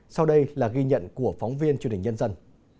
sau đây là ghi nhận của phóng viên truyền hình nhân dân